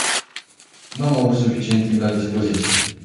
Nu am avut suficient timp la dispoziție.